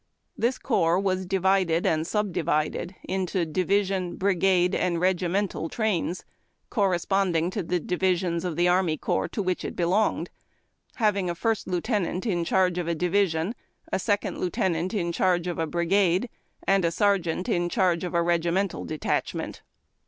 This corps was divided and sub divided into division, brigade, and regimental trains, cor responding to the divisions of the army corps to which it belonged, having a first lieutenant in charge of a division, a second lieutenant in chargre of a brigade, and a sergeant in charge of a regimental detachment.